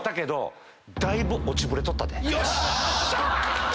よっしゃ！